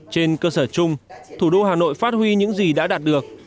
trên cơ sở chung thủ đô hà nội phát huy những gì đã đạt được